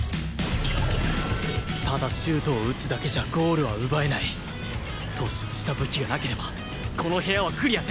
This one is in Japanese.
ただシュートを撃つだけじゃゴールは奪えない突出した武器がなければこの部屋はクリアできない！